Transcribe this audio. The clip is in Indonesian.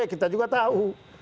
kita juga tahu